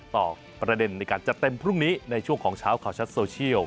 ประเด็นในการจัดเต็มพรุ่งนี้ในช่วงของเช้าข่าวชัดโซเชียล